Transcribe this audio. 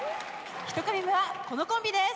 １組目はこのコンビです。